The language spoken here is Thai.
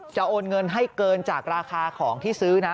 โอนเงินให้เกินจากราคาของที่ซื้อนะ